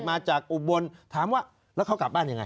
มาจากอุบลถามว่าแล้วเขากลับบ้านยังไง